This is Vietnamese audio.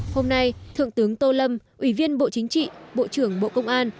hôm nay thượng tướng tô lâm ủy viên bộ chính trị bộ trưởng bộ công an